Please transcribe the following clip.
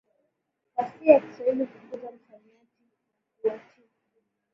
fasihi ya Kiswahili kukuza msamiati na kuwatia